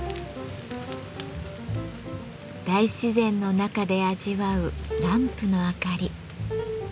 大自然の中で味わうランプのあかり。